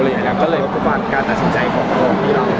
แล้วก็กระบวนการตัดสินใจของพวกพี่เรา